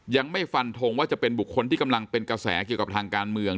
ยังไม่ฟันทงว่าจะเป็นบุคคลที่กำลังเป็นกระแสเกี่ยวกับทางการเมือง